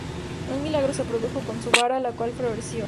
Un milagro se produjo con su vara, la cual floreció.